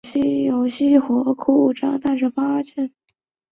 但是发现重联行驶方向后方的机车常有熄火故障。